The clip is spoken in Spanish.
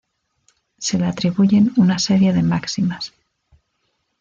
Se le atribuyen una serie de máximas.